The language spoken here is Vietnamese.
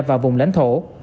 và vùng lãnh thổ